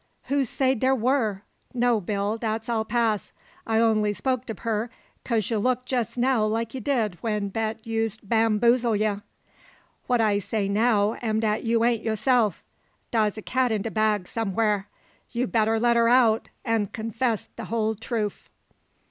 "Who sayed dar war? No, Bill, dat's all pass. I only spoked ob her 'kase ya look jess now like ye did when Bet used bamboozle ye. What I say now am dat you ain't yaseff. Dar's a cat in de bag, somewha; you better let her out, and confess de whole troof."